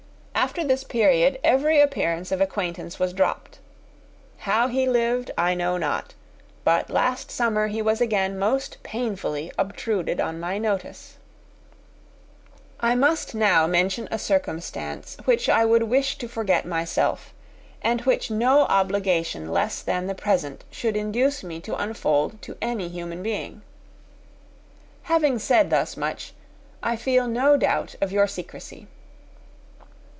After this period, every appearance of acquaintance was dropped. How he lived, I know not. But last summer he was again most painfully obtruded on my notice. I must now mention a circumstance which I would wish to forget myself, and which no obligation less than the present should induce me to unfold to any human being. Having said thus much, I feel no doubt of your secrecy.